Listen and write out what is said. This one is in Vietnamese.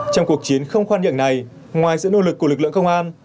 trong cuộc chiến không khoan nhượng này ngoài sự nỗ lực của lực lượng công an